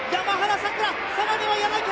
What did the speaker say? さらには柳原！